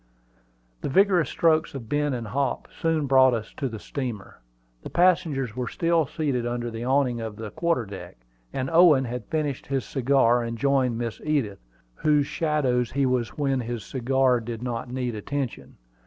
The vigorous strokes of Ben and Hop soon brought us to the steamer. The passengers were still seated under the awning of the quarter deck; and Owen had finished his cigar and joined Miss Edith, whose shadow he was when his cigar did not need attention.